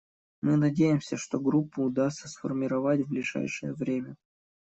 Мы надеемся, что Группу удастся сформировать в ближайшее время.